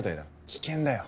危険だよ。